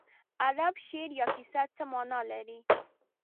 ادب، شعر یا کیسه څه مانا لري.